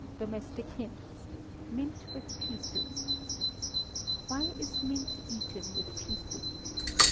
Domestic Hints (Mint with Pea Soup). _Why is mint eaten with pea soup?